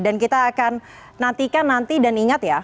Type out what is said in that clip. dan kita akan nantikan nanti dan ingat ya